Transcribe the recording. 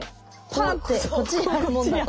パーンってこっちに貼るもんだと。